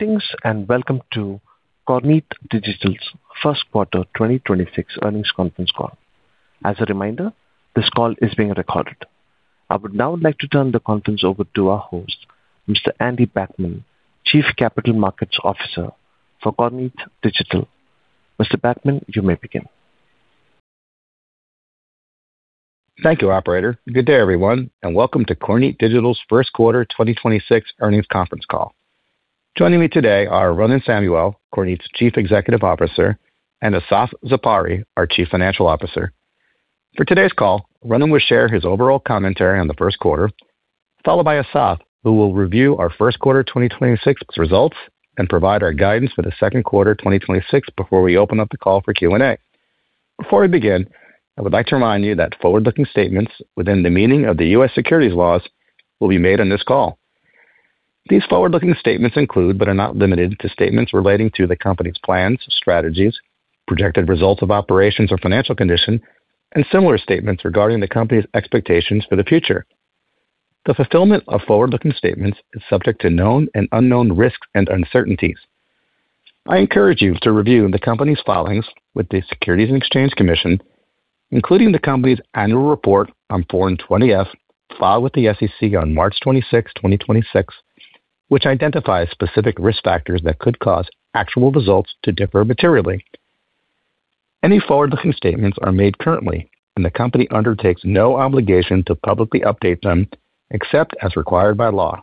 Greetings, and welcome to Kornit Digital's first quarter 2026 earnings conference call. As a reminder, this call is being recorded. I would now like to turn the conference over to our host, Mr. Andy Backman, Chief Capital Markets Officer for Kornit Digital. Mr. Backman, you may begin. Thank you, operator. Good day, everyone, and welcome to Kornit Digital's first quarter 2026 earnings conference call. Joining me today are Ronen Samuel, Kornit's Chief Executive Officer, and Assaf Zipori, our Chief Financial Officer. For today's call, Ronen will share his overall commentary on the first quarter, followed by Assaf, who will review our first quarter 2026 results and provide our guidance for the second quarter 2026 before we open up the call for Q&A. Before we begin, I would like to remind you that forward-looking statements within the meaning of the U.S. securities laws will be made on this call. These forward-looking statements include, but are not limited to, statements relating to the company's plans, strategies, projected results of operations or financial condition, and similar statements regarding the company's expectations for the future. The fulfillment of forward-looking statements is subject to known and unknown risks and uncertainties. I encourage you to review the company's filings with the Securities and Exchange Commission, including the company's annual report on Form 20-F filed with the SEC on March 26, 2026, which identifies specific risk factors that could cause actual results to differ materially. Any forward-looking statements are made currently, and the company undertakes no obligation to publicly update them except as required by law.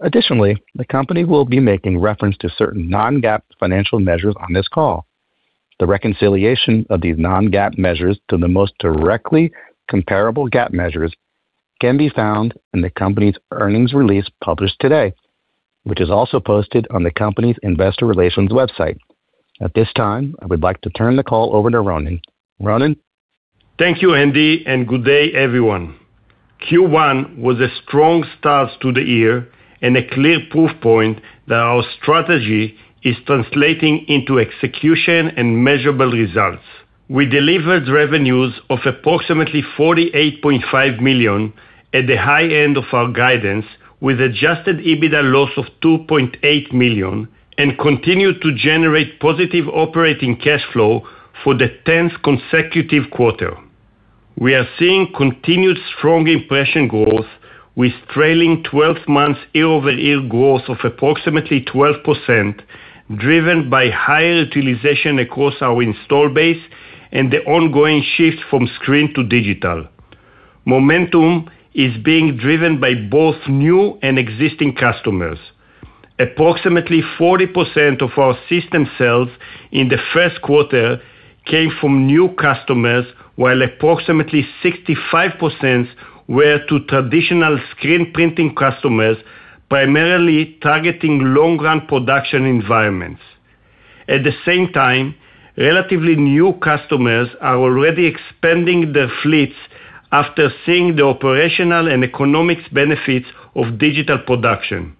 Additionally, the company will be making reference to certain non-GAAP financial measures on this call. The reconciliation of these non-GAAP measures to the most directly comparable GAAP measures can be found in the company's earnings release published today, which is also posted on the company's investor relations website. At this time, I would like to turn the call over to Ronen. Ronen. Thank you, Andy, and good day, everyone. Q1 was a strong start to the year and a clear proof point that our strategy is translating into execution and measurable results. We delivered revenues of approximately $48.5 million at the high end of our guidance, with adjusted EBITDA loss of $2.8 million, and continued to generate positive operating cash flow for the 10th consecutive quarter. We are seeing continued strong impression growth with trailing 12 months year-over-year growth of approximately 12%, driven by higher utilization across our install base and the ongoing shift from screen to digital. Momentum is being driven by both new and existing customers. Approximately 40% of our system sales in the first quarter came from new customers, while approximately 65% were to traditional screen printing customers, primarily targeting long-run production environments. At the same time, relatively new customers are already expanding their fleets after seeing the operational and economics benefits of digital production.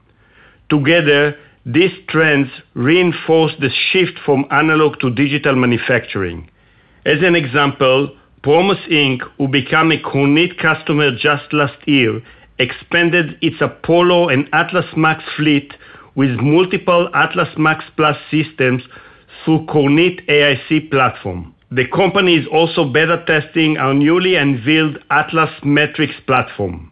Together, these trends reinforce the shift from analog to digital manufacturing. As an example, Promus Ink., who became a Kornit customer just last year, expanded its Kornit Apollo and Atlas MAX fleet with multiple Atlas MAX PLUS systems through Kornit AIC platform. The company is also beta testing our newly unveiled Atlas MATRIX platform.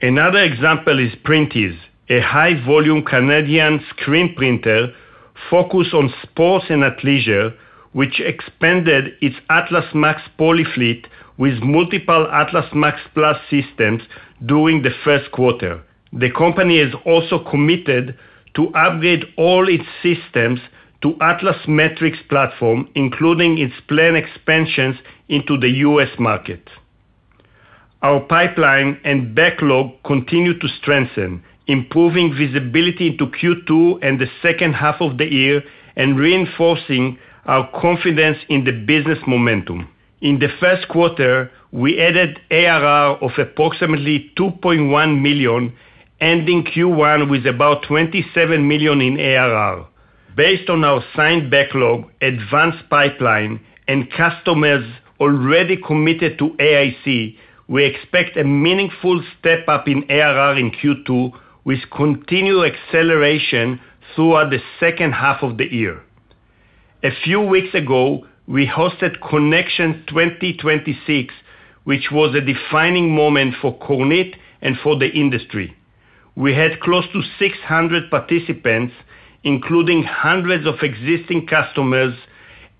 Another example is Printeez, a high-volume Canadian screen printer focused on sports and leisure, which expanded its Atlas MAX Poly fleet with multiple Atlas MAX PLUS systems during the first quarter. The company has also committed to upgrade all its systems to Atlas MATRIX platform, including its planned expansions into the U.S. market. Our pipeline and backlog continue to strengthen, improving visibility into Q2 and the second half of the year and reinforcing our confidence in the business momentum. In the first quarter, we added ARR of approximately $2.1 million, ending Q1 with about $27 million in ARR. Based on our signed backlog, advanced pipeline, and customers already committed to AIC, we expect a meaningful step-up in ARR in Q2 with continued acceleration throughout the second half of the year. A few weeks ago, we hosted Konnections 2026, which was a defining moment for Kornit and for the industry. We had close to 600 participants, including hundreds of existing customers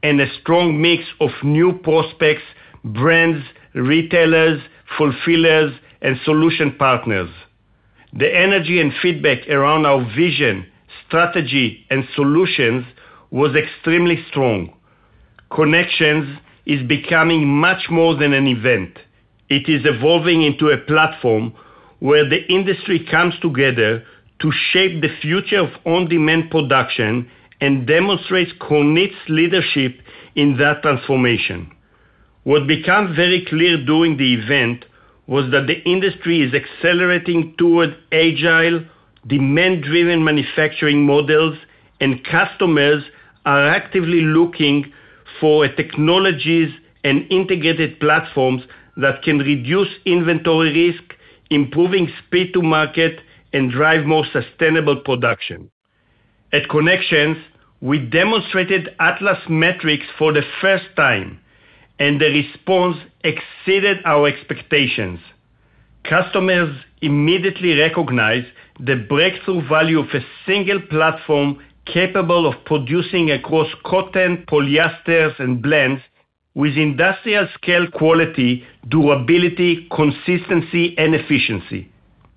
and a strong mix of new prospects, brands, retailers, fulfillers, and solution partners. The energy and feedback around our vision, strategy, and solutions was extremely strong. Konnections is becoming much more than an event. It is evolving into a platform where the industry comes together to shape the future of on-demand production and demonstrates Kornit's leadership in that transformation. What became very clear during the event was that the industry is accelerating toward agile, demand-driven manufacturing models, and customers are actively looking for technologies and integrated platforms that can reduce inventory risk, improving speed to market, and drive more sustainable production. At Konnections, we demonstrated Atlas MATRIX for the first time, and the response exceeded our expectations. Customers immediately recognized the breakthrough value of a single platform capable of producing across cotton, polyesters, and blends with industrial-scale quality, durability, consistency, and efficiency.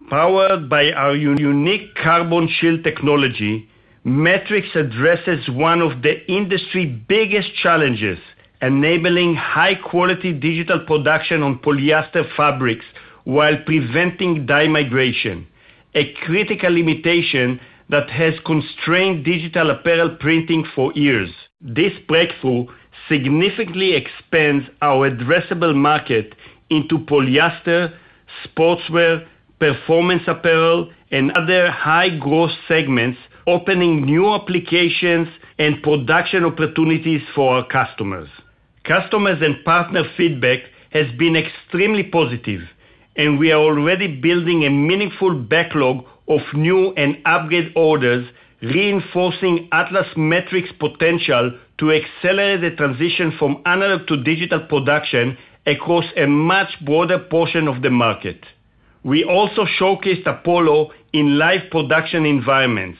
Powered by our unique Karbon Shield technology, MATRIX addresses one of the industry's biggest challenges, enabling high-quality digital production on polyester fabrics while preventing dye migration, a critical limitation that has constrained digital apparel printing for years. This breakthrough significantly expands our addressable market into polyester, sportswear, performance apparel, and other high-growth segments, opening new applications and production opportunities for our customers. Customers and partner feedback has been extremely positive. We are already building a meaningful backlog of new and upgrade orders, reinforcing Atlas MATRIX potential to accelerate the transition from analog to digital production across a much broader portion of the market. We also showcased Apollo in live production environments,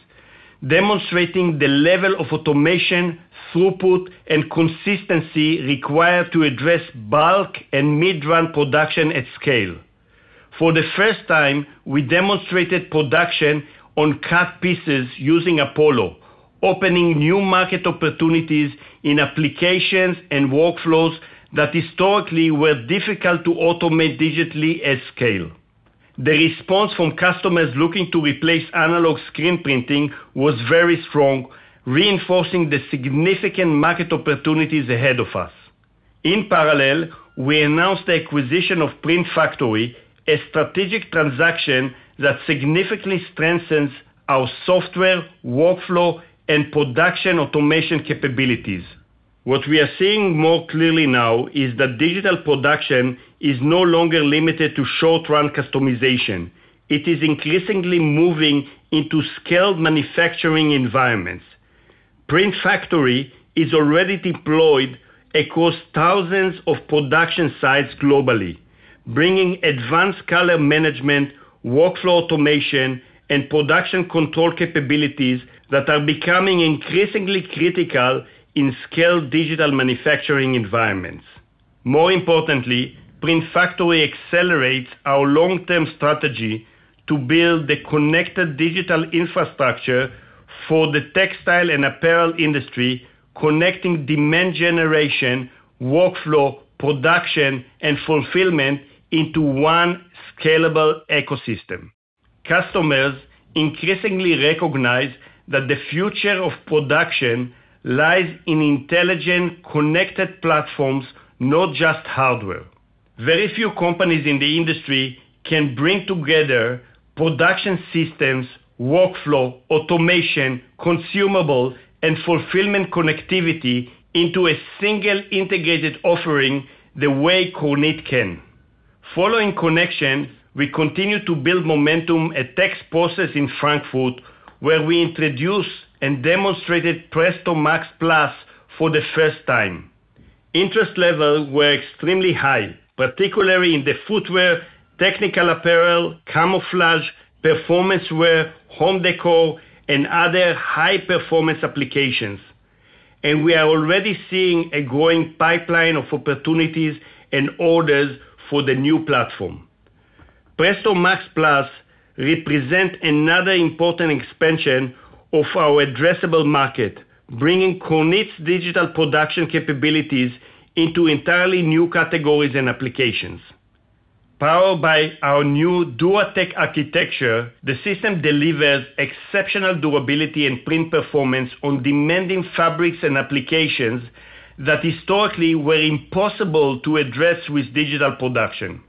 demonstrating the level of automation, throughput, and consistency required to address bulk and mid-run production at scale. For the first time, we demonstrated production on cut pieces using Apollo, opening new market opportunities in applications and workflows that historically were difficult to automate digitally at scale. The response from customers looking to replace analog screen printing was very strong, reinforcing the significant market opportunities ahead of us. In parallel, we announced the acquisition of PrintFactory, a strategic transaction that significantly strengthens our software, workflow, and production automation capabilities. What we are seeing more clearly now is that digital production is no longer limited to short-run customization. It is increasingly moving into scaled manufacturing environments. PrintFactory is already deployed across thousands of production sites globally, bringing advanced color management, workflow automation, and production control capabilities that are becoming increasingly critical in scaled digital manufacturing environments. More importantly, PrintFactory accelerates our long-term strategy to build the connected digital infrastructure for the textile and apparel industry, connecting demand generation, workflow, production, and fulfillment into one scalable ecosystem. Customers increasingly recognize that the future of production lies in intelligent, connected platforms, not just hardware. Very few companies in the industry can bring together production systems, workflow, automation, consumable, and fulfillment connectivity into a single integrated offering the way Kornit can. Following Konnections, we continue to build momentum at Texprocess in Frankfurt, where we introduced and demonstrated Presto MAX PLUS for the first time. Interest levels were extremely high, particularly in the footwear, technical apparel, camouflage, performance wear, home decor, and other high-performance applications. We are already seeing a growing pipeline of opportunities and orders for the new platform. Presto MAX PLUS represent another important expansion of our addressable market, bringing Kornit's digital production capabilities into entirely new categories and applications. Powered by our new DuraTech architecture, the system delivers exceptional durability and print performance on demanding fabrics and applications that historically were impossible to address with digital production.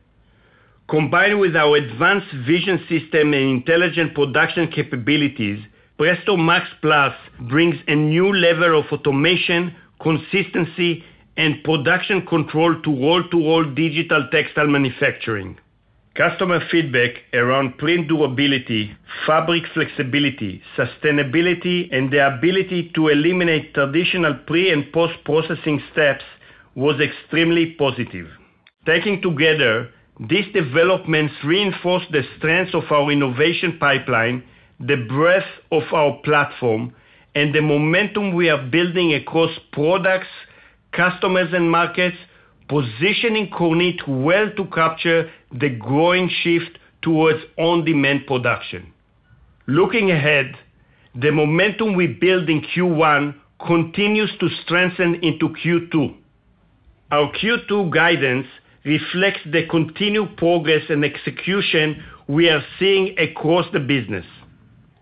Combined with our advanced vision system and intelligent production capabilities, Presto MAX PLUS brings a new level of automation, consistency, and production control to roll-to-roll digital textile manufacturing. Customer feedback around print durability, fabric flexibility, sustainability, and the ability to eliminate traditional pre- and post-processing steps was extremely positive. Taken together, these developments reinforce the strengths of our innovation pipeline, the breadth of our platform, and the momentum we are building across products, customers, and markets, positioning Kornit well to capture the growing shift towards on-demand production. Looking ahead, the momentum we built in Q1 continues to strengthen into Q2. Our Q2 guidance reflects the continued progress and execution we are seeing across the business.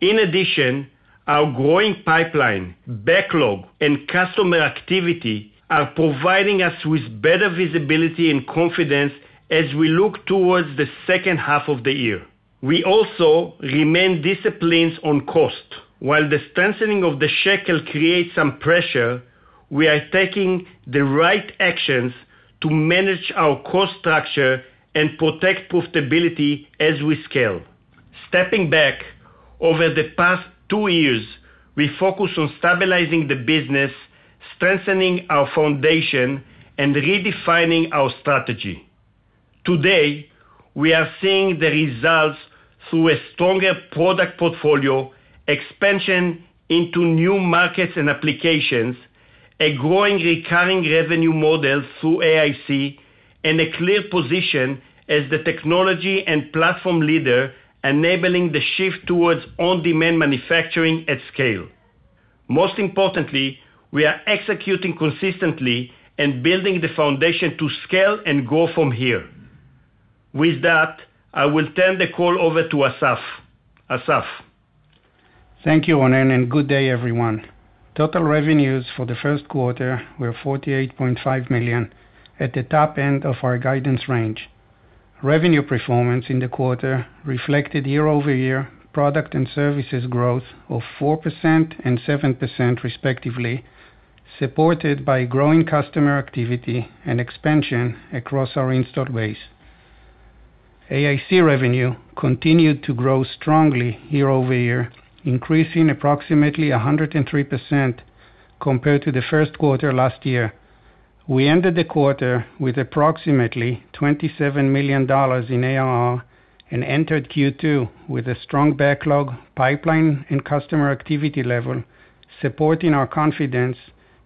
In addition, our growing pipeline, backlog, and customer activity are providing us with better visibility and confidence as we look towards the second half of the year. We also remain disciplines on cost. While the strengthening of the shekel creates some pressure, we are taking the right actions to manage our cost structure and protect profitability as we scale. Stepping back, over the past two years, we focus on stabilizing the business, strengthening our foundation, and redefining our strategy. Today, we are seeing the results through a stronger product portfolio, expansion into new markets and applications, a growing recurring revenue model through AIC, and a clear position as the technology and platform leader, enabling the shift towards on-demand manufacturing at scale. Most importantly, we are executing consistently and building the foundation to scale and grow from here. With that, I will turn the call over to Assaf. Assaf? Thank you, Ronen, and good day, everyone. Total revenues for the first quarter were $48.5 million, at the top end of our guidance range. Revenue performance in the quarter reflected year-over-year product and services growth of 4% and 7% respectively, supported by growing customer activity and expansion across our installed base. AIC revenue continued to grow strongly year-over-year, increasing approximately 103% compared to the first quarter last year. We ended the quarter with approximately $27 million in ARR and entered Q2 with a strong backlog, pipeline, and customer activity level, supporting our confidence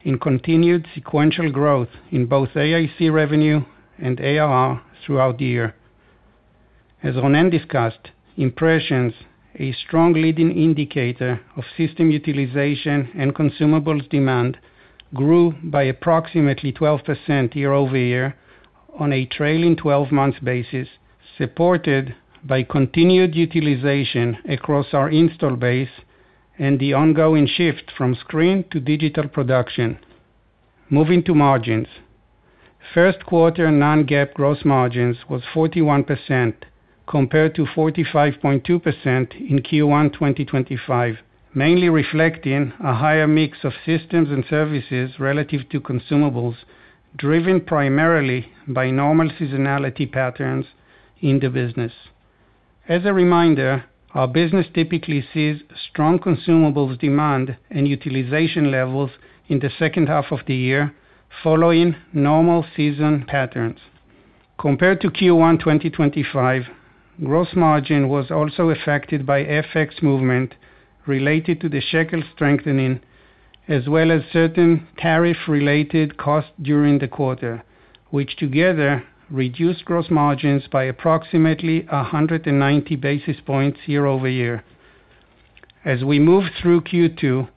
in continued sequential growth in both AIC revenue and ARR throughout the year. As Ronen discussed, impressions, a strong leading indicator of system utilization and consumables demand, grew by approximately 12% year-over-year on a trailing 12 months basis, supported by continued utilization across our install base and the ongoing shift from screen to digital production. Moving to margins. First quarter non-GAAP gross margins was 41% compared to 45.2% in Q1, 2025, mainly reflecting a higher mix of systems and services relative to consumables, driven primarily by normal seasonality patterns in the business. As a reminder, our business typically sees strong consumables demand and utilization levels in the second half of the year, following normal season patterns. Compared to Q1 2025, gross margin was also affected by FX movement related to the shekel strengthening, as well as certain tariff-related costs during the quarter, which together reduced gross margins by approximately 190 basis points year-over-year. As we move through Q2,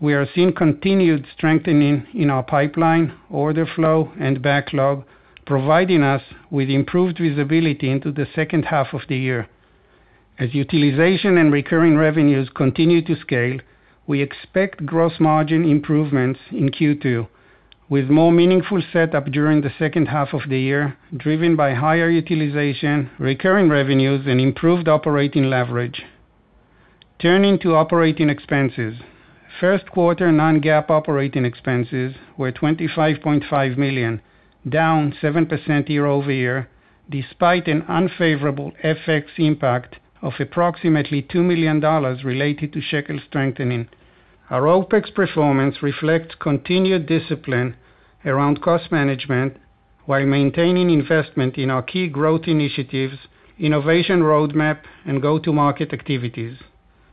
we are seeing continued strengthening in our pipeline, order flow, and backlog, providing us with improved visibility into the second half of the year. As utilization and recurring revenues continue to scale, we expect gross margin improvements in Q2, with more meaningful setup during the second half of the year, driven by higher utilization, recurring revenues, and improved operating leverage. Turning to operating expenses. First quarter non-GAAP operating expenses were 25.5 million, down 7% year-over-year, despite an unfavorable FX impact of approximately $2 million related to shekel strengthening. Our OpEx performance reflects continued discipline around cost management while maintaining investment in our key growth initiatives, innovation roadmap, and go-to-market activities.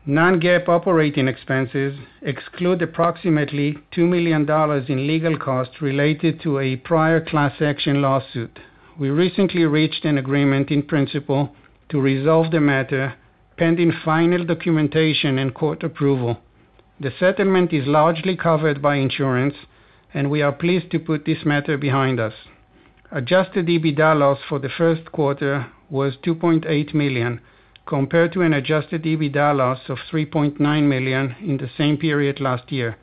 Non-GAAP operating expenses exclude approximately $2 million in legal costs related to a prior class action lawsuit. We recently reached an agreement in principle to resolve the matter pending final documentation and court approval. The settlement is largely covered by insurance, and we are pleased to put this matter behind us. Adjusted EBITDA loss for the first quarter was $2.8 million, compared to an adjusted EBITDA loss of $3.9 million in the same period last year.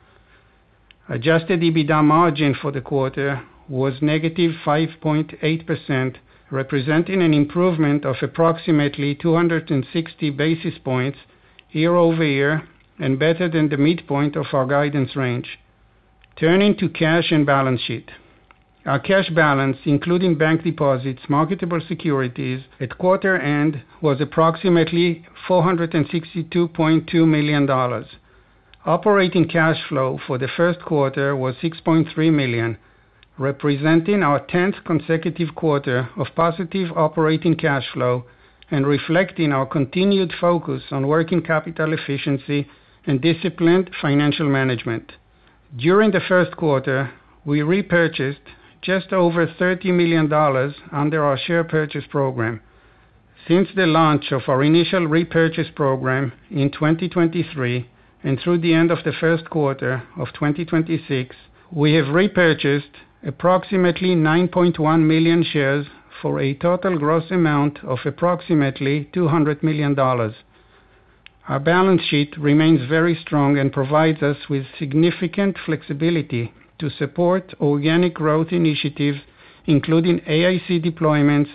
Adjusted EBITDA margin for the quarter was -5.8%, representing an improvement of approximately 260 basis points year-over-year and better than the midpoint of our guidance range. Turning to cash and balance sheet. Our cash balance, including bank deposits, marketable securities at quarter-end, was approximately $462.2 million. Operating cash flow for the first quarter was $6.3 million, representing our 10th consecutive quarter of positive operating cash flow and reflecting our continued focus on working capital efficiency and disciplined financial management. During the first quarter, we repurchased just over $30 million under our share purchase program. Since the launch of our initial repurchase program in 2023 and through the end of the first quarter of 2026, we have repurchased approximately 9.1 million shares for a total gross amount of approximately $200 million. Our balance sheet remains very strong and provides us with significant flexibility to support organic growth initiatives, including AIC deployments,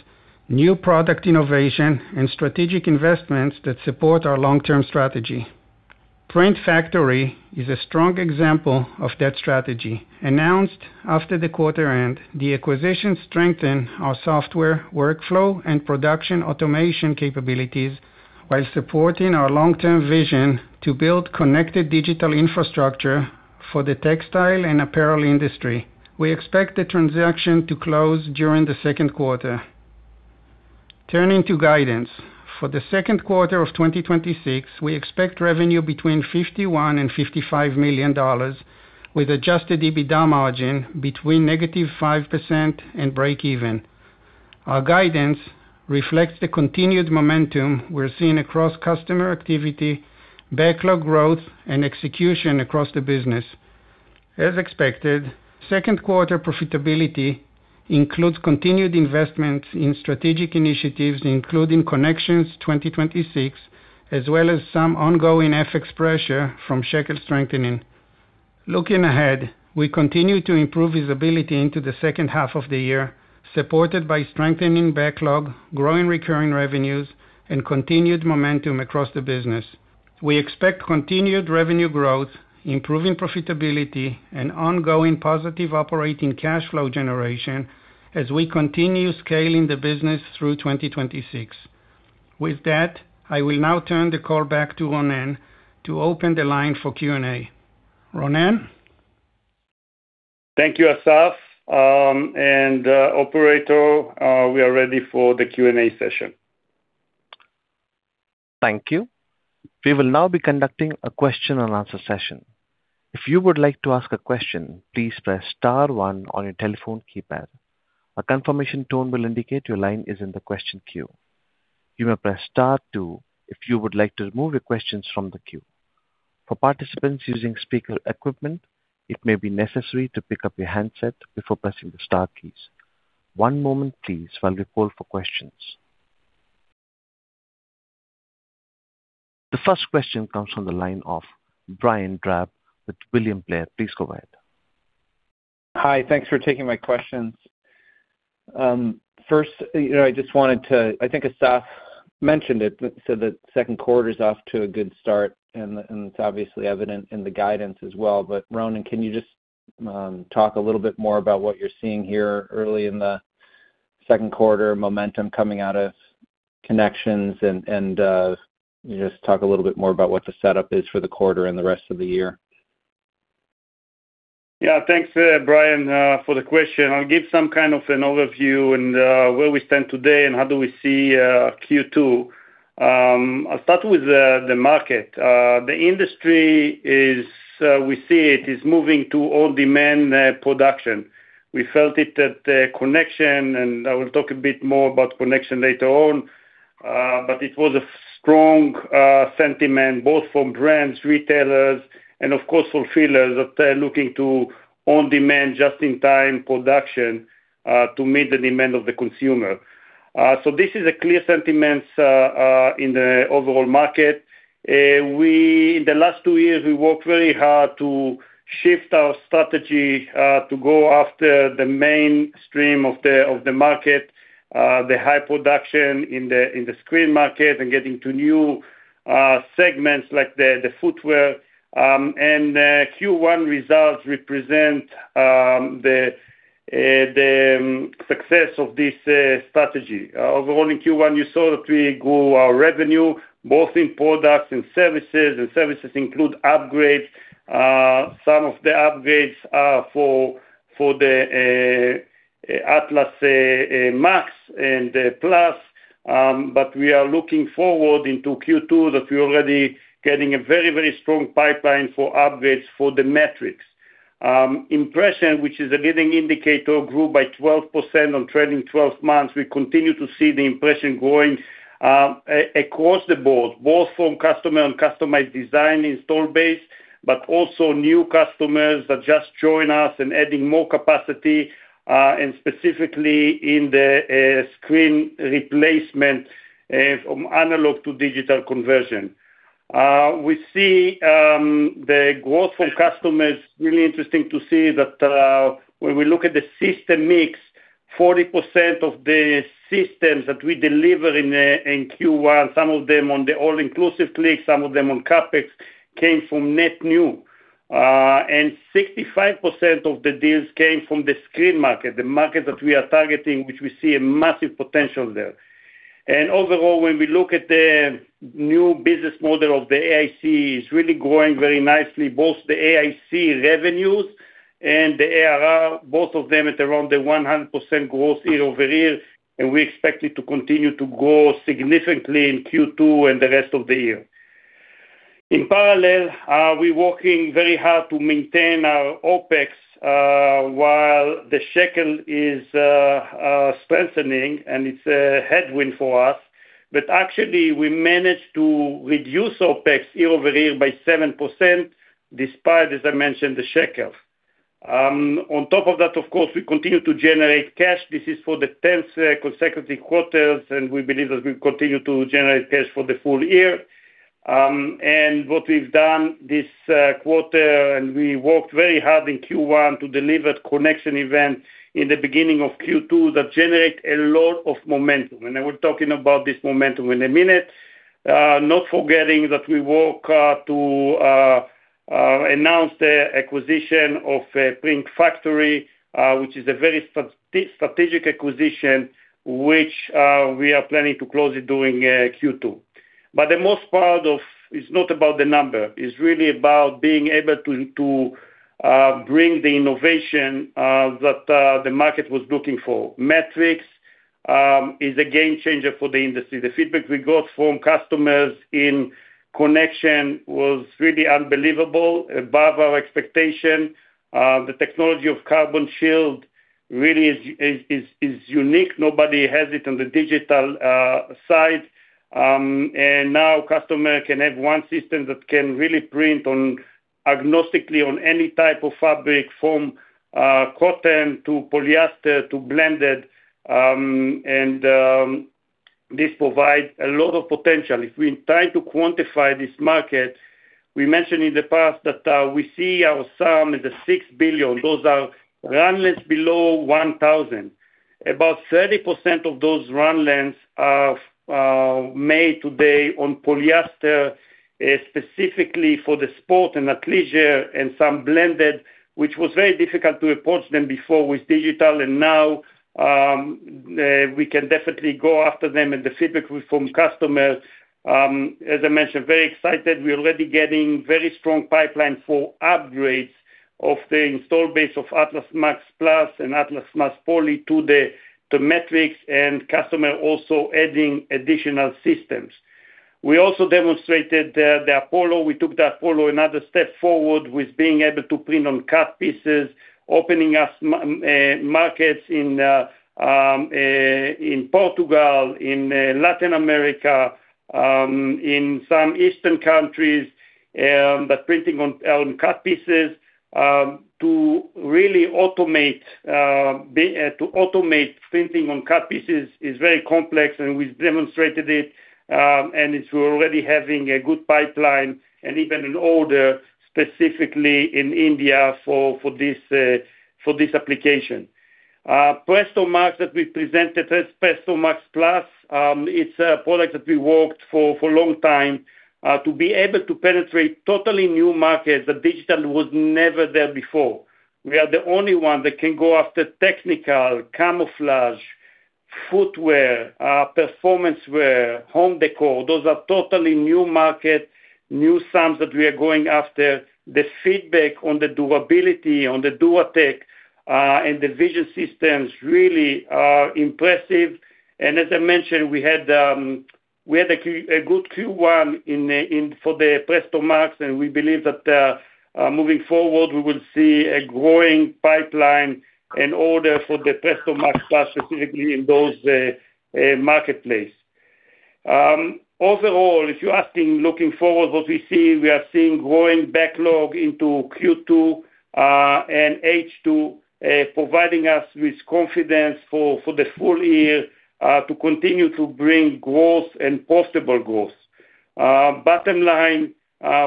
new product innovation, and strategic investments that support our long-term strategy. PrintFactory is a strong example of that strategy. Announced after the quarter end, the acquisition strengthened our software, workflow, and production automation capabilities while supporting our long-term vision to build connected digital infrastructure for the textile and apparel industry. We expect the transaction to close during the second quarter. Turning to guidance. For the second quarter of 2026, we expect revenue between $51 million and $55 million with adjusted EBITDA margin between -5% and breakeven. Our guidance reflects the continued momentum we're seeing across customer activity, backlog growth, and execution across the business. As expected, second quarter profitability includes continued investments in strategic initiatives, including Konnections 2026, as well as some ongoing FX pressure from shekel strengthening. Looking ahead, we continue to improve visibility into the second half of the year, supported by strengthening backlog, growing recurring revenues, and continued momentum across the business. We expect continued revenue growth, improving profitability, and ongoing positive operating cash flow generation as we continue scaling the business through 2026. With that, I will now turn the call back to Ronen to open the line for Q&A. Ronen? Thank you, Assaf. Operator, we are ready for the Q&A session. Thank you. We will now be conducting a question and answer session. If you would like to ask a question, please press star one on your telephone keypad. A confirmation tone will indicate your line is in the question queue. You may press star two if you would like to remove your questions from the queue. For participants using speaker equipment, it may be necessary to pick up your handset before pressing the star keys. One moment please while we poll for questions. The first question comes from the line of Brian Drab with William Blair. Please go ahead. Hi. Thanks for taking my questions. First, you know, I just wanted to I think Assaf mentioned it, said that second quarter is off to a good start and it's obviously evident in the guidance as well. Ronen, can you just talk a little bit more about what you're seeing here early in the second quarter momentum coming out of Konnections and just talk a little bit more about what the setup is for the quarter and the rest of the year. Thanks, Brian, for the question. I'll give some kind of an overview and where we stand today and how do we see Q2. I'll start with the market. The industry is, we see it is moving to on-demand production. We felt it at Konnection, and I will talk a bit more about Konnection later on. It was a strong sentiment both from brands, retailers, and of course, fulfillers that are looking to on-demand just-in-time production to meet the demand of the consumer. This is a clear sentiment in the overall market. In the last two years, we worked very hard to shift our strategy to go after the mainstream of the market, the high production in the screen market and get into new segments like the footwear. Q1 results represent the success of this strategy. Overall in Q1, you saw that we grew our revenue both in products and services, and services include upgrades. Some of the upgrades are for the Atlas MAX and the PLUS. We are looking forward into Q2 that we're already getting a very strong pipeline for upgrades for the MATRIX. Impression, which is a leading indicator, grew by 12% on trailing 12 months. We continue to see the impression growing across the board, both from customer and customized design install base, but also new customers that just join us and adding more capacity, and specifically in the screen replacement, from analog to digital conversion. We see the growth from customers, really interesting to see that when we look at the system mix, 40% of the systems that we deliver in Q1, some of them on the all-inclusive click, some of them on CapEx, came from net new. 65% of the deals came from the screen market, the market that we are targeting, which we see a massive potential there. Overall, when we look at the new business model of the AIC is really growing very nicely, both the AIC revenues and the ARR, both of them at around the 100% growth year-over-year, and we expect it to continue to grow significantly in Q2 and the rest of the year. In parallel, we're working very hard to maintain our OpEx, while the shekel is strengthening, and it's a headwind for us. Actually, we managed to reduce OpEx year-over-year by 7%, despite, as I mentioned, the shekel. On top of that, of course, we continue to generate cash. This is for the 10th consecutive quarters, and we believe that we'll continue to generate cash for the full year. What we've done this quarter, and we worked very hard in Q1 to deliver Konnections in the beginning of Q2 that generate a lot of momentum. I will talking about this momentum in a minute. Not forgetting that we work to announce the acquisition of PrintFactory, which is a very strategic acquisition, which we are planning to close it during Q2. The most part of is not about the number. It's really about being able to bring the innovation that the market was looking for. MATRIX is a game changer for the industry. The feedback we got from customers in Konnections was really unbelievable, above our expectation. The technology of Karbon Shield really is unique. Nobody has it on the digital side. Now customer can have one system that can really print agnostically on any type of fabric, from cotton to polyester to blended, this provides a lot of potential. If we try to quantify this market, we mentioned in the past that we see our SAM in the $6 billion. Those are run lengths below 1,000. About 30% of those run lengths are made today on polyester, specifically for the sport and athleisure and some blended, which was very difficult to approach them before with digital. Now we can definitely go after them. The feedback from customers, as I mentioned, very excited. We're already getting very strong pipeline for upgrades of the install base of Atlas MAX PLUS and Atlas MAX Poly to the MATRIX, and customer also adding additional systems. We also demonstrated the Apollo. We took the Apollo another step forward with being able to print on cut pieces, opening up markets in Portugal, in Latin America, in some eastern countries, but printing on cut pieces to really automate printing on cut pieces is very complex, and we've demonstrated it. It's already having a good pipeline and even an order specifically in India for this application. Presto MAX that we presented as Presto MAX PLUS, it's a product that we worked for a long time to be able to penetrate totally new markets that digital was never there before. We are the only one that can go after technical, camouflage, footwear, performance wear, home decor. Those are totally new market, new sums that we are going after. The feedback on the durability, on the DuraTech, and the vision systems really are impressive. As I mentioned, we had a good Q1 for the Presto MAX, and we believe that moving forward, we will see a growing pipeline and order for the Presto MAX PLUS specifically in those marketplace. Overall, if you're asking looking forward what we see, we are seeing growing backlog into Q2 and H2, providing us with confidence for the full year to continue to bring growth and possible growth. Bottom line,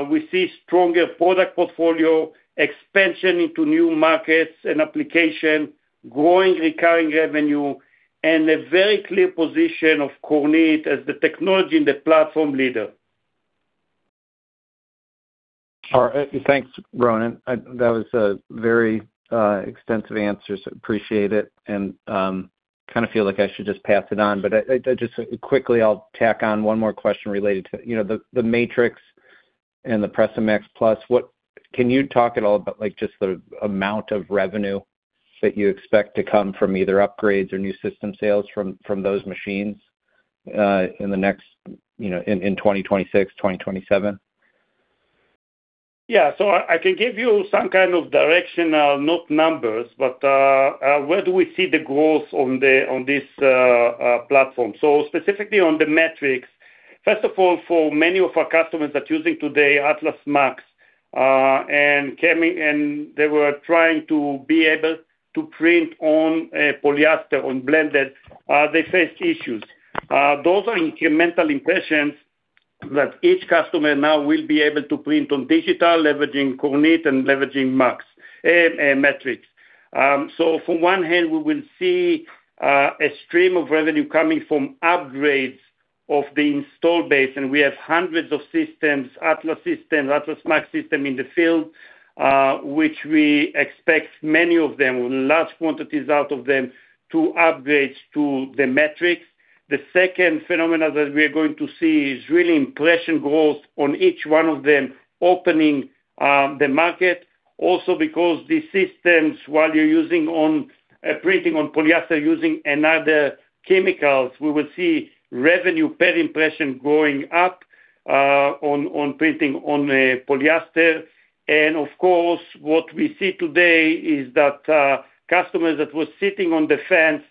we see stronger product portfolio, expansion into new markets and application, growing recurring revenue, and a very clear position of Kornit as the technology and the platform leader. All right. Thanks, Ronen. That was a very extensive answer, appreciate it. Kind of feel like I should just pass it on. Just quickly I'll tack on one more question related to, you know, the MATRIX and the Presto MAX PLUS. Can you talk at all about, like, just the amount of revenue that you expect to come from either upgrades or new system sales from those machines, you know, in 2026/2027? Yeah. I can give you some kind of directional, not numbers, but where do we see the growth on the on this platform? Specifically on the MATRIX, first of all, for many of our customers that using today Atlas MAX and they were trying to be able to print on polyester, on blended, they faced issues. Those are incremental impressions that each customer now will be able to print on digital, leveraging Kornit and leveraging MATRIX. From one hand, we will see a stream of revenue coming from upgrades of the install base, and we have hundreds of systems, Atlas systems, Atlas MAX system in the field, which we expect many of them, large quantities out of them, to upgrade to the MATRIX. The second phenomenon that we are going to see is really impression growth on each one of them opening the market. Also because these systems, while you're using on printing on polyester using other chemicals, we will see revenue per impression going up on printing on polyester. Of course, what we see today is that customers that were sitting on the fence.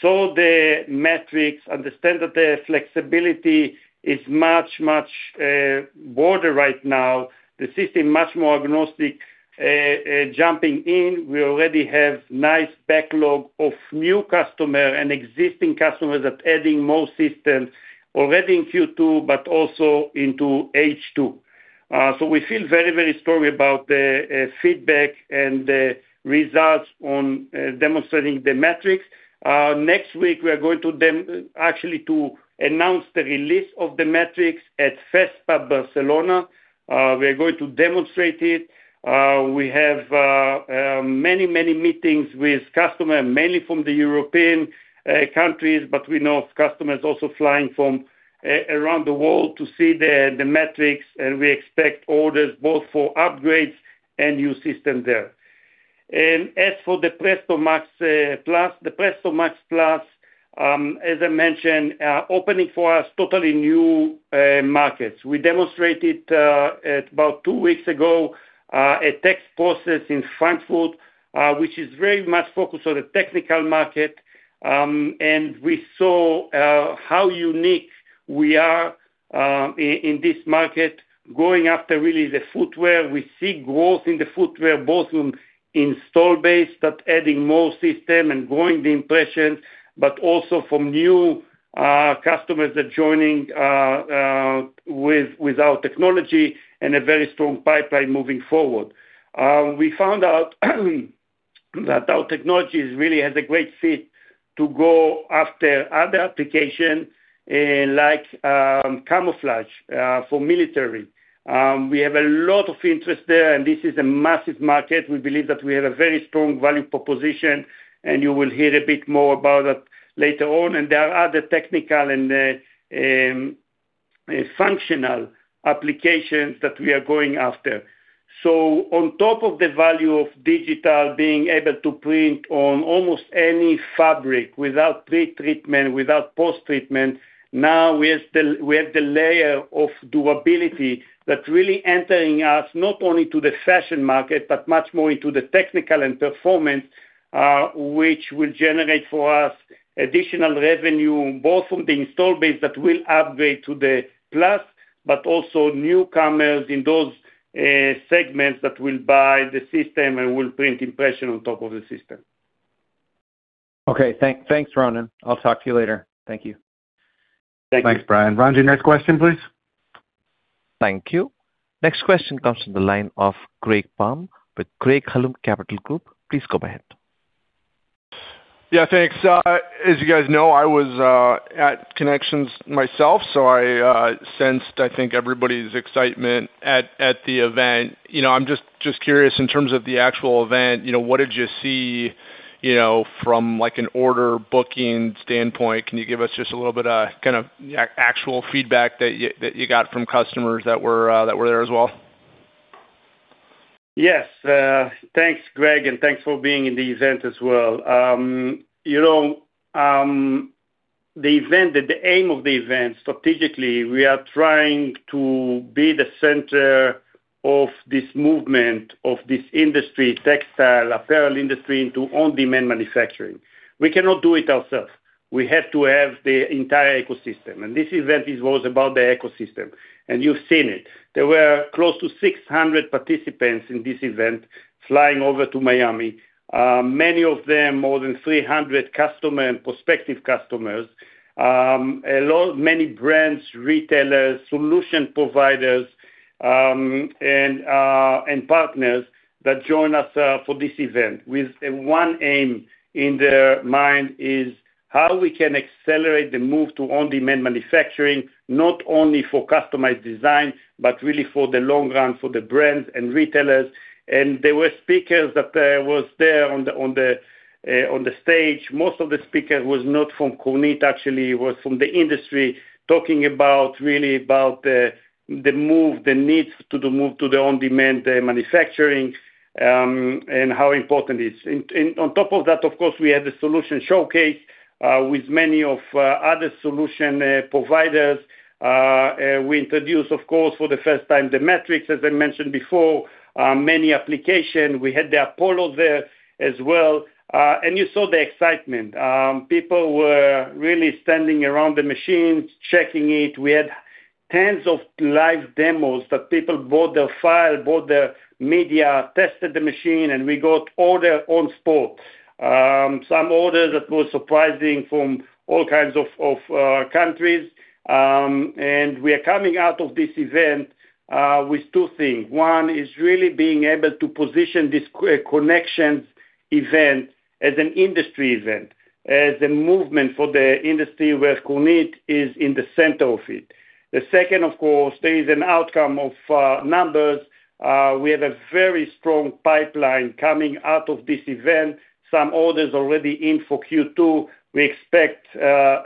Saw the metrics, understand that the flexibility is much, much broader right now. The system much more agnostic. Jumping in, we already have nice backlog of new customers and existing customers that adding more systems already in Q2 but also into H2. We feel very, very strongly about the feedback and the results on demonstrating the metrics. Next week we are going to actually to announce the release of the MATRIX at FESPA Barcelona. We are going to demonstrate it. We have many, many meetings with customer, mainly from the European countries, but we know customers also flying from around the world to see the MATRIX, and we expect orders both for upgrades and new system there. As for the Presto MAX PLUS, the Presto MAX PLUS, as I mentioned, opening for us totally new markets. We demonstrated at about two weeks ago a Texprocess in Frankfurt, which is very much focused on the technical market. We saw how unique we are in this market, going after really the footwear. We see growth in the footwear, both from install base that adding more system and growing the impression, but also from new customers that joining with our technology and a very strong pipeline moving forward. We found out that our technology is really has a great fit to go after other application, like camouflage, for military. We have a lot of interest there, and this is a massive market. We believe that we have a very strong value proposition, and you will hear a bit more about that later on. There are other technical and functional applications that we are going after. On top of the value of digital being able to print on almost any fabric without pre-treatment, without post-treatment, now we have the layer of durability that really enters us not only to the fashion market, but much more into the technical and performance, which will generate for us additional revenue, both from the install base that will upgrade to the PLUS, but also newcomers in those segments that will buy the system and will print impression on top of the system. Okay. Thanks, Ronen. I'll talk to you later. Thank you. Thank you. Thanks, Brian. Roger, next question, please. Thank you. Next question comes from the line of Greg Palm with Craig-Hallum Capital Group. Please go ahead. Yeah, thanks. As you guys know, I was at Konnections myself, so I sensed, I think everybody's excitement at the event. You know, I'm just curious, in terms of the actual event, you know, what did you see, you know, from like an order booking standpoint? Can you give us just a little bit of kind of actual feedback that you got from customers that were there as well? Yes. Thanks, Greg, and thanks for being in the event as well. You know, the aim of the event, strategically, we are trying to be the center of this movement, of this industry, textile, apparel industry, into on-demand manufacturing. We cannot do it ourselves. We have to have the entire ecosystem. This event was about the ecosystem, and you've seen it. There were close to 600 participants in this event flying over to Miami. Many of them, more than 300 customer and prospective customers. Many brands, retailers, solution providers, and partners that join us for this event with one aim in their mind, is how we can accelerate the move to on-demand manufacturing, not only for customized design, but really for the long run for the brands and retailers. There were speakers that was there on the stage. Most of the speakers was not from Kornit, actually, was from the industry, talking about, really about the needs to the move to the on-demand manufacturing, and how important it is. On top of that, of course, we had the solution showcase with many of other solution providers. We introduced, of course, for the first time, the MATRIX, as I mentioned before, many application. We had the Kornit Apollo there as well. You saw the excitement. People were really standing around the machines, checking it. We had tens of live demos that people bought the file, bought the media, tested the machine, and we got order on spot. Some orders that was surprising from all kinds of countries. We are coming out of this event with two things. One is really being able to position this Konnections event as an industry event, as a movement for the industry where Kornit is in the center of it. The second, of course, there is an outcome of numbers. We have a very strong pipeline coming out of this event. Some orders already in for Q2. We expect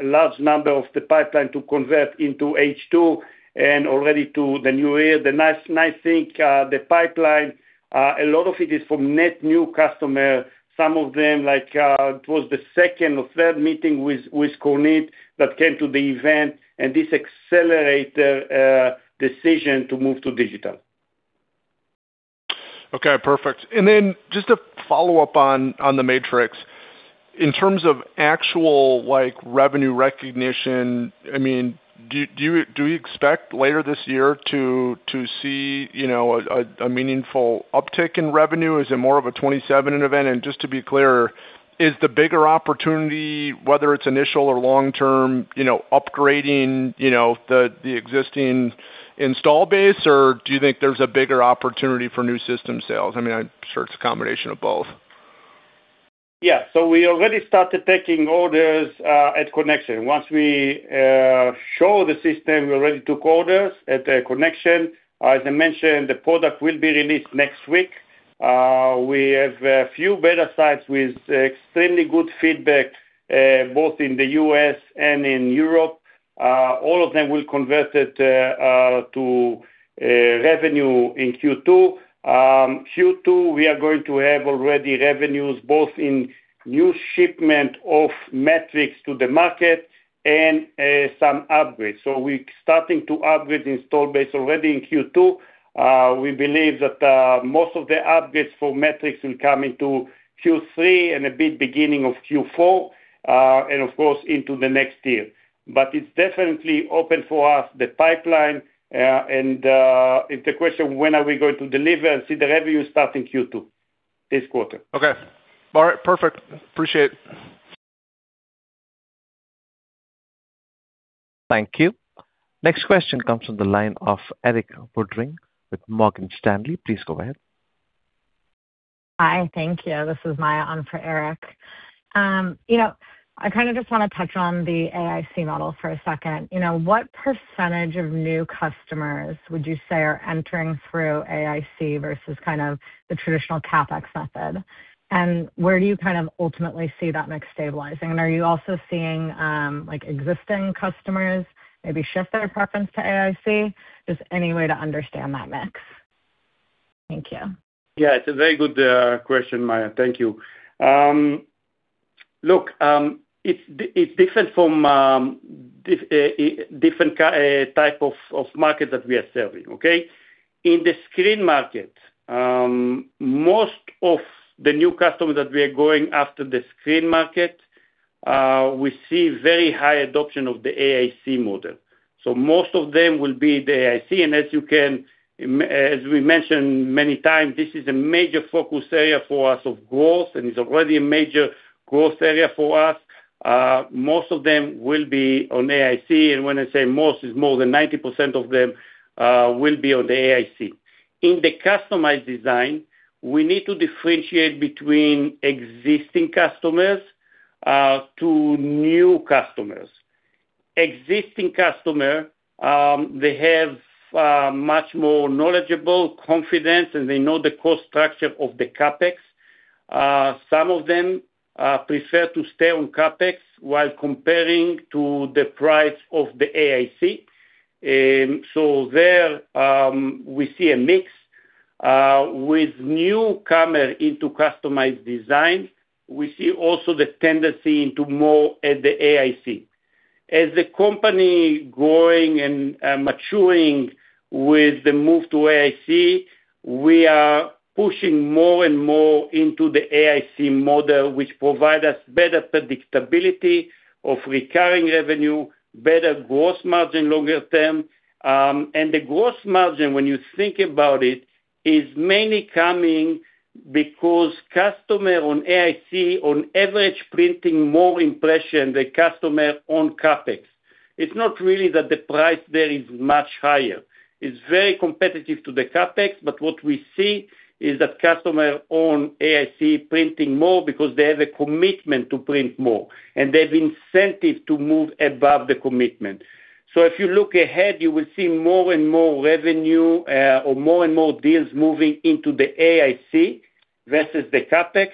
large number of the pipeline to convert into H2 and already to the new year. The nice thing, the pipeline, a lot of it is from net new customer. Some of them like, it was the second or third meeting with Kornit that came to the event, this accelerate their decision to move to digital. Okay, perfect. Just to follow up on the MATRIX. In terms of actual, like, revenue recognition, I mean, do you expect later this year to see, you know, a meaningful uptick in revenue? Is it more of a 2027 event? Just to be clear, is the bigger opportunity, whether it's initial or long term, you know, upgrading, you know, the existing install base, or do you think there's a bigger opportunity for new system sales? I mean, I'm sure it's a combination of both. We already started taking orders at Konnections. Once we show the system, we already took orders at Konnections. As I mentioned, the product will be released next week. We have a few beta sites with extremely good feedback both in the U.S. and in Europe. All of them will convert it to revenue in Q2. Q2, we are going to have already revenues both in new shipment of MATRIX to the market and some upgrades. We're starting to upgrade install base already in Q2. We believe that most of the upgrades for MATRIX will come into Q3 and a bit beginning of Q4 and of course into the next year. It's definitely open for us the pipeline. If the question, when are we going to deliver. I see the revenue starting Q2, this quarter. Okay. All right. Perfect. Appreciate it. Thank you. Next question comes from the line of Erik Woodring with Morgan Stanley. Please go ahead. Hi. Thank you. This is Maya on for Erik. You know, I kind of just want to touch on the AIC model for a second. You know, what percentage of new customers would you say are entering through AIC versus kind of the traditional CapEx method? Where do you kind of ultimately see that mix stabilizing? Are you also seeing, like, existing customers maybe shift their preference to AIC? Just any way to understand that mix. Thank you. Yeah, it's a very good question, Maya. Thank you. It's different from different type of market that we are serving, okay? In the screen market, most of the new customers that we are going after the screen market, we see very high adoption of the AIC model. Most of them will be the AIC. As we mentioned many times, this is a major focus area for us of growth, and it's already a major growth area for us. Most of them will be on AIC, and when I say most, it's more than 90% of them will be on the AIC. In the customized design, we need to differentiate between existing customers to new customers. Existing customer, they have much more knowledgeable confidence, and they know the cost structure of the CapEx. Some of them prefer to stay on CapEx while comparing to the price of the AIC. There, we see a mix. With newcomer into customized design, we see also the tendency into more at the AIC. As the company growing and maturing with the move to AIC, we are pushing more and more into the AIC model, which provide us better predictability of recurring revenue, better gross margin longer term. The gross margin, when you think about it, is mainly coming because customer on AIC on average printing more impression the customer on CapEx. It's not really that the price there is much higher. It is very competitive to the CapEx. What we see is that customer on AIC printing more because they have a commitment to print more, and they have incentive to move above the commitment. If you look ahead, you will see more and more revenue, or more and more deals moving into the AIC versus the CapEx.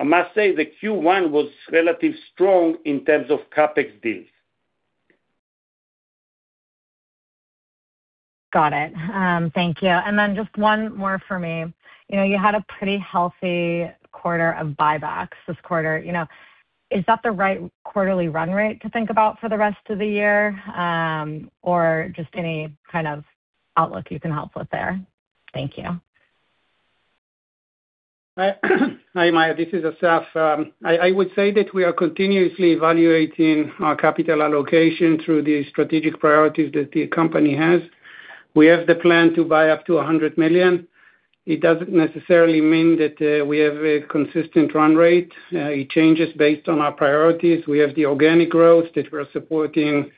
I must say the Q1 was relatively strong in terms of CapEx deals. Got it. Thank you. Just one more for me. You know, you had a pretty healthy quarter of buybacks this quarter. You know, is that the right quarterly run rate to think about for the rest of the year? Just any kind of outlook you can help with there? Thank you. Hi, Maya. This is Assaf. I would say that we are continuously evaluating our capital allocation through the strategic priorities that the company has. We have the plan to buy up to $100 million. It doesn't necessarily mean that we have a consistent run rate. It changes based on our priorities. We have the organic growth that we're supporting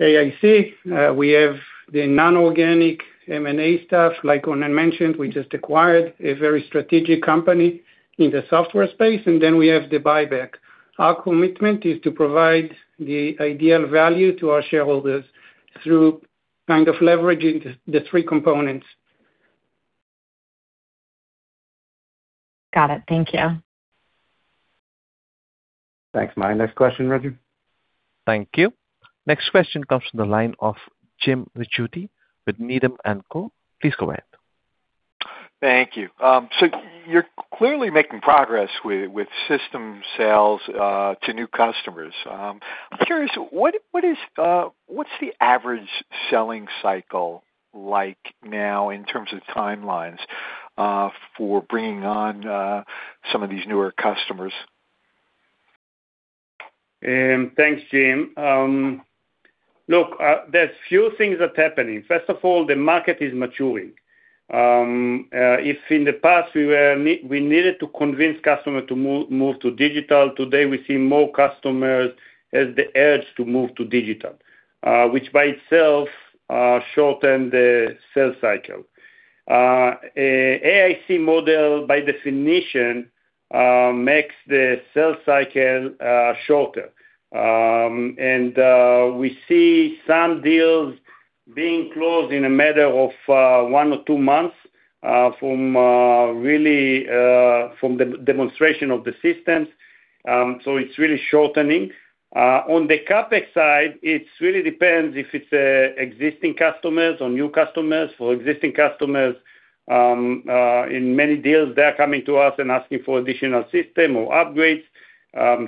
AIC. We have the non-organic M&A stuff. Like Ronen mentioned, we just acquired a very strategic company in the software space, and then we have the buyback. Our commitment is to provide the ideal value to our shareholders through kind of leveraging the three components. Got it. Thank you. Thanks, Maya. Next question Roger. Thank you. Next question comes from the line of Jim Ricchiuti with Needham & Co. Please go ahead. Thank you. You're clearly making progress with system sales to new customers. I'm curious, what's the average selling cycle like now in terms of timelines for bringing on some of these newer customers? Thanks, Jim. Look, there's few things that's happening. First of all, the market is maturing. If in the past we needed to convince customer to move to digital, today we see more customers has the urge to move to digital, which by itself, shorten the sales cycle. AIC model by definition, makes the sales cycle shorter. We see some deals being closed in a matter of one or two months, from really, from the demonstration of the systems. It's really shortening. On the CapEx side, it really depends if it's existing customers or new customers. For existing customers, in many deals, they are coming to us and asking for additional system or upgrades.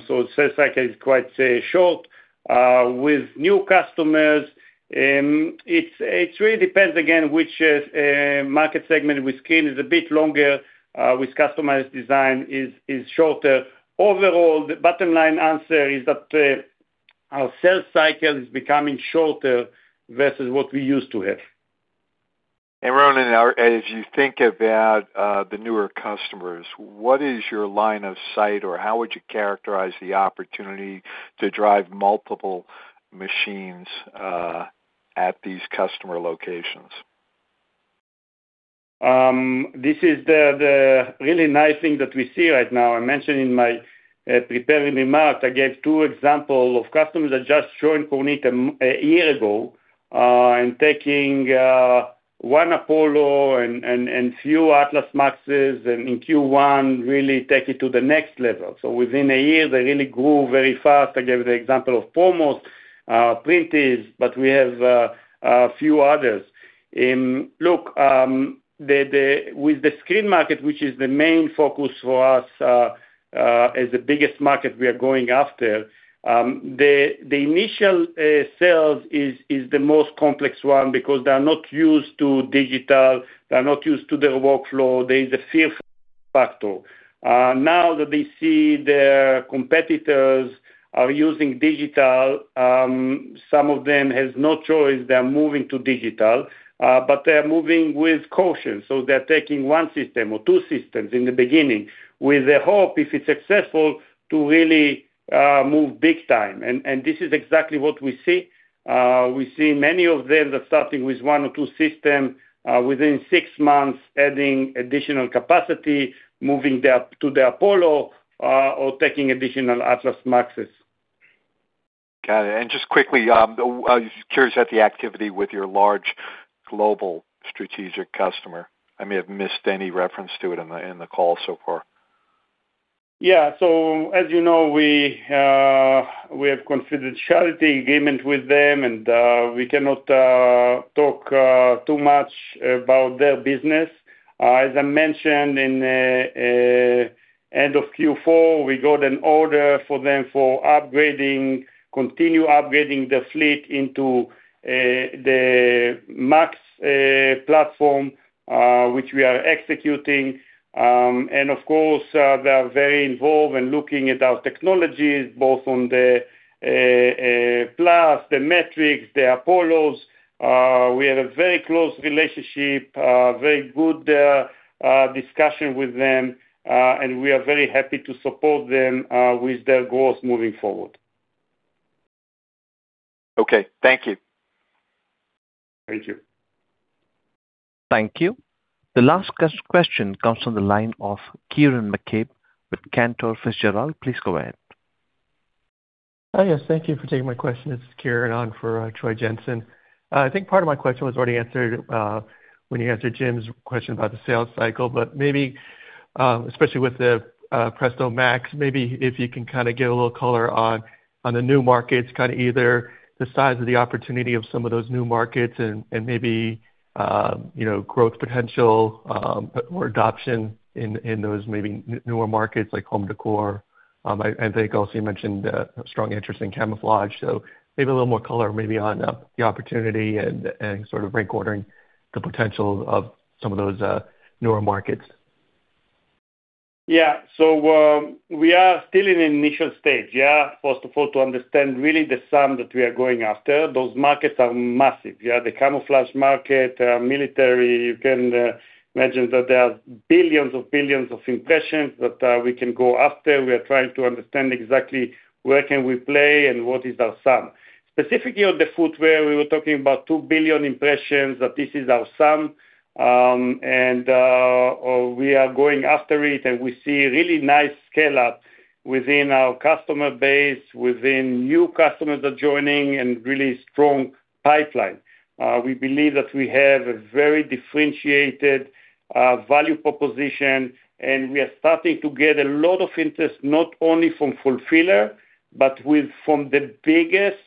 Sales cycle is quite, say, short. With new customers, it really depends, again, which market segment with screen is a bit longer, with customized design is shorter. Overall, the bottom line answer is that our sales cycle is becoming shorter versus what we used to have. Ronen, as you think about the newer customers, what is your line of sight, or how would you characterize the opportunity to drive multiple machines at these customer locations? This is the really nice thing that we see right now. I mentioned in my prepared remarks, I gave two examples of customers that just joined Kornit a year ago, and taking one Apollo and few Atlas MAX, and in Q1, really take it to the next level. Within a year, they really grew very fast. I gave the example of Promus, Printeez, but we have a few others. Look, with the screen market, which is the main focus for us, as the biggest market we are going after, the initial sales is the most complex one because they're not used to digital, they're not used to the workflow. There is a fear factor. Now that they see their competitors are using digital, some of them has no choice, they're moving to digital. They're moving with caution. They're taking one system or two systems in the beginning, with the hope, if it's successful, to really move big time. This is exactly what we see. We see many of them that starting with one or two system, within six months, adding additional capacity, moving to the Kornit Apollo, or taking additional Atlas MAX. Got it. Just quickly, I was curious about the activity with your large global strategic customer. I may have missed any reference to it in the call so far. Yeah. As you know, we have confidentiality agreement with them, and we cannot talk too much about their business. As I mentioned in end of Q4, we got an order for them for upgrading, continue upgrading their fleet into the MAX platform, which we are executing. Of course, they are very involved in looking at our technologies, both on the PLUS, the MATRIX, the Apollos. We have a very close relationship, very good discussion with them, and we are very happy to support them with their growth moving forward. Okay. Thank you. Thank you. Thank you. The last question comes from the line of Kieran McCabe with Cantor Fitzgerald. Please go ahead. Oh, yes, thank you for taking my question. This is Kieran on for Troy Jensen. I think part of my question was already answered when you answered Jim's question about the sales cycle, but maybe, especially with the Presto MAX, maybe if you can kinda give a little color on the new markets, kinda either the size of the opportunity of some of those new markets and maybe, you know, growth potential, or adoption in those maybe newer markets like home décor. I think also you mentioned a strong interest in camouflage. Maybe a little more color maybe on the opportunity and sort of rank ordering the potential of some of those newer markets. We are still in initial stage. First of all, to understand really the sum that we are going after. Those markets are massive. The camouflage market, military, you can imagine that there are billions of billions of impressions that we can go after. We are trying to understand exactly where can we play and what is our sum. Specifically on the footwear, we were talking about 2 billion impressions, that this is our sum. We are going after it, and we see really nice scale-up within our customer base, within new customers that are joining, and really strong pipeline. We believe that we have a very differentiated value proposition, and we are starting to get a lot of interest, not only from fulfiller, but from the biggest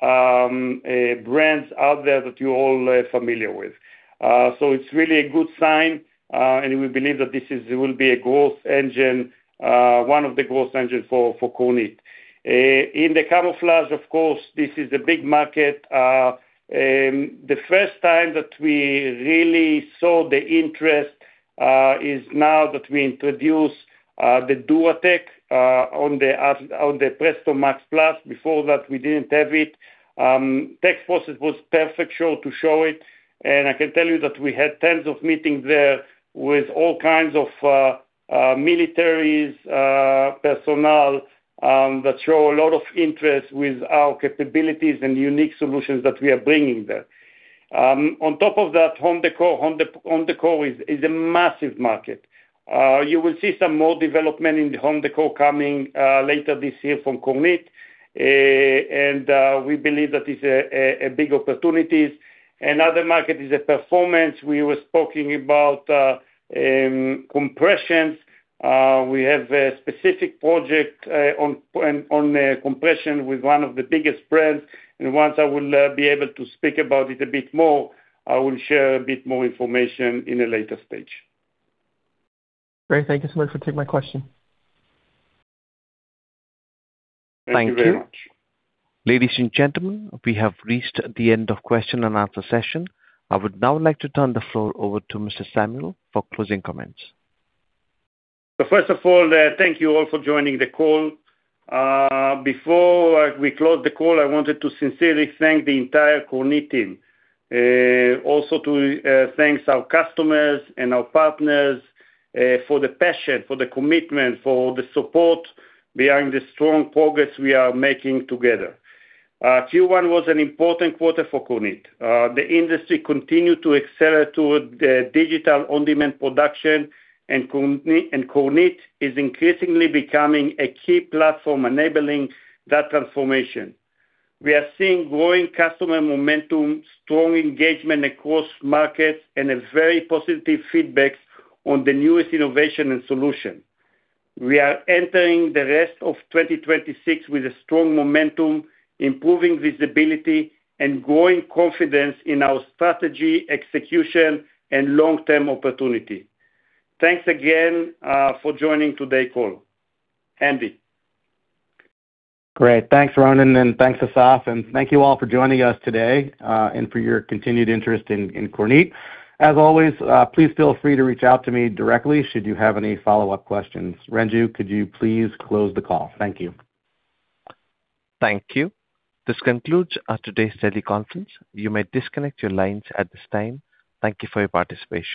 brands out there that you're all familiar with. It's really a good sign, and we believe that this will be a growth engine, one of the growth engine for Kornit. In the camouflage, of course, this is a big market. The first time that we really saw the interest is now that we introduced the DuraTech on the Presto MAX PLUS. Before that, we didn't have it. Texprocess was perfect show to show it, and I can tell you that we had tons of meetings there with all kinds of militaries, personnel, that show a lot of interest with our capabilities and unique solutions that we are bringing there. On top of that, home decor. Home decor is a massive market. You will see some more development in home decor coming later this year from Kornit. And we believe that is a big opportunities. Another market is the performance. We were talking about compressions. We have a specific project on compression with one of the biggest brands. Once I will be able to speak about it a bit more, I will share a bit more information in a later stage. Great. Thank you so much for taking my question. Thank you very much. Thank you. Ladies and gentlemen, we have reached the end of question and answer session. I would now like to turn the floor over to Mr. Samuel for closing comments. First of all, thank you all for joining the call. Before we close the call, I wanted to sincerely thank the entire Kornit team. Also to thanks our customers and our partners for the passion, for the commitment, for the support behind the strong progress we are making together. Q1 was an important quarter for Kornit. The industry continued to accelerate toward digital on-demand production, and Kornit is increasingly becoming a key platform enabling that transformation. We are seeing growing customer momentum, strong engagement across markets, and a very positive feedback on the newest innovation and solution. We are entering the rest of 2026 with a strong momentum, improving visibility, and growing confidence in our strategy, execution, and long-term opportunity. Thanks again for joining today call, Andy. Great. Thanks, Ronen, and thanks, Assaf, and thank you all for joining us today, and for your continued interest in Kornit. As always, please feel free to reach out to me directly should you have any follow-up questions. Roger, could you please close the call? Thank you. Thank you. This concludes today's teleconference. You may disconnect your lines at this time. Thank you for your participation.